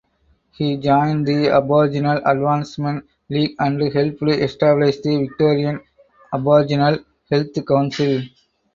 He joined the Aboriginal Advancement League and helped establish the Victorian Aboriginal Health Council.